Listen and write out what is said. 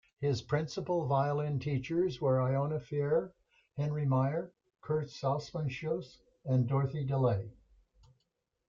His principal violin teachers were Ilona Feher, Henry Meyer, Kurt Sassmannshaus, and Dorothy DeLay.